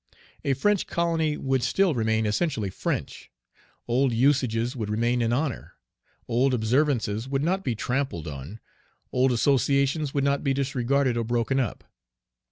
A French colony would still remain essentially French. Old usages would remain in honor; old observances would not be trampled on; old associations would not be disregarded or broken up.